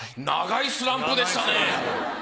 長いスランプでしたね。